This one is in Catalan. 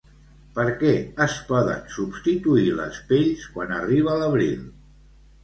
Per què es poden substituir les pells, quan arriba l'abril?